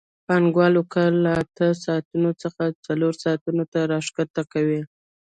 پانګوال کار له اته ساعتونو څخه څلور ساعتونو ته راښکته کوي